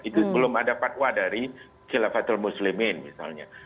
itu belum ada fatwa dari khilafatul muslimin misalnya